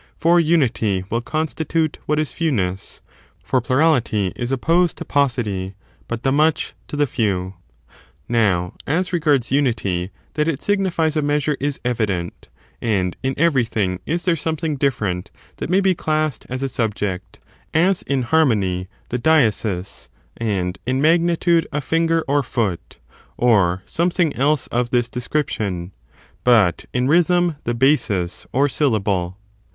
For unity will constitute what is fewness ; for plurality is opposed to paucity, but the much to the few. 6. Unity signi Now, as regards unity, that it signifies a measure^ fleant of mea ig evident : and in everything is there some *""' thing different that may'be classed as a subject — as in harmony the diesis, and in magnitude a finger or foot, or something else of this description, but in rhythm the basis^ or syllable.